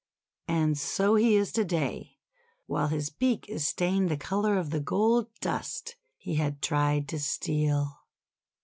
And so he is to day, while his beak is stained the colour of the gold dust he had tried to steal.